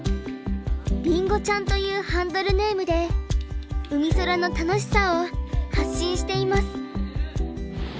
りんごちゃんというハンドルネームでうみそらの楽しさを発信しています。